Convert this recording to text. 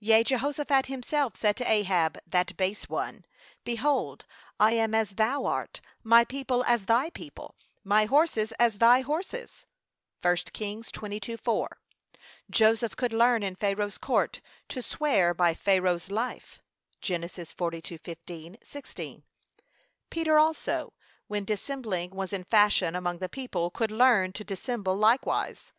Yea, Jehoshaphat himself said to Ahab, that base one: Behold, 'I am as thou art, my people as thy people, my horses as thy horses.' (1 Kings 22:4) Joseph could learn in Pharaoh's court, to 'swear by Pharaoh's life.' (Gen. 42:15, 16) Peter also, when dissembling, was in fashion among the people, could learn to dissemble likewise.